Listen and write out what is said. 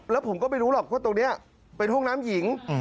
แล้วผมก็ไม่รู้หรอกว่าตรงนี้เป็นห้องน้ำหญิง